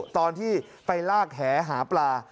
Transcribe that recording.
ตอนที่ไปลากแหหาปลา